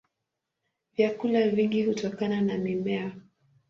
Vyakula vingi hutokana na mimea.